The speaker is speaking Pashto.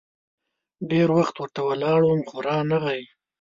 ډېر وخت ورته ولاړ وم ، خو رانه غی.